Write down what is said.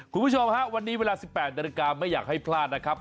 คุณผู้ชมฮะวันนี้เวลา๑๘นาฬิกาไม่อยากให้พลาดนะครับ